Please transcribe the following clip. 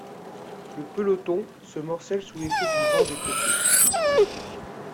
Le peloton se morcelle sous l'effet du vent de côté.